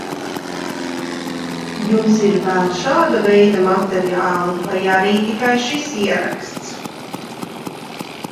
Jums ir vēl šāda veida materiāli, vai arī tikai šis ieraksts?